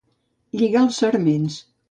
Lligar els sarments.